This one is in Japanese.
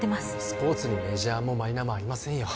スポーツにメジャーもマイナーもありませんよ